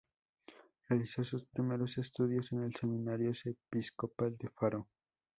Realizó sus primeros estudios en el Seminario Episcopal de Faro.